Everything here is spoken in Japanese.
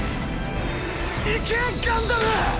行けガンダム！